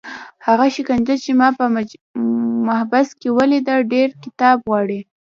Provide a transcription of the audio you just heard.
هغه شکنجه چې ما په محبس کې ولیده ډېر کتاب غواړي.